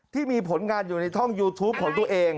ที่มีผลงานอยู่ในช่องยูทูปของตัวเอง